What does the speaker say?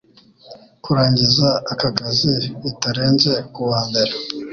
kurangiza aka kazi bitarenze kuwa mbere